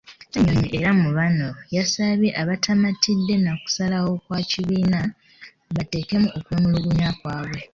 Ssenyonyi era mu bano yasabye abataamatidde na kusalawo kwa kibiina, bateekemu okwemulugunya kwabwe.